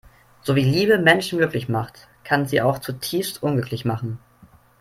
So wie Liebe Menschen glücklich macht, kann sie sie auch zutiefst unglücklich machen.